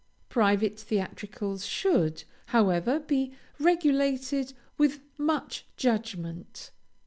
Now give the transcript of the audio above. Private theatricals should, however, be regulated with much judgment.